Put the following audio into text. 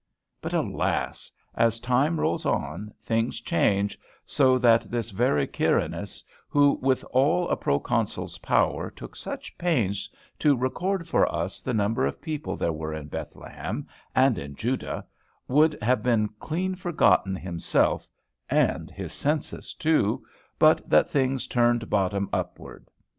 But alas! as time rolls on, things change, so that this very Quirinus, who with all a pro consul's power took such pains to record for us the number of people there were in Bethlehem and in Judah, would have been clean forgotten himself, and his census too, but that things turned bottom upward.